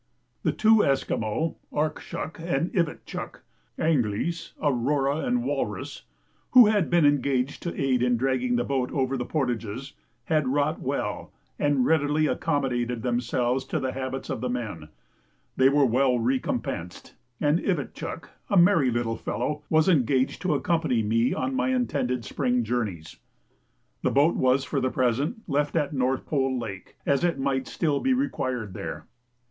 The two Esquimaux, Arkshuk and Ivitchuk, ("Anglice" Aurora and Walrus,) who had been engaged to aid in dragging the boat over the portages, had wrought well, and readily accommodated themselves to the habits of the men. They were well recompensed; and Ivitchuk (a merry little fellow) was engaged to accompany me on my intended spring journeys. The boat was for the present left at North Pole Lake, as it might still be required there.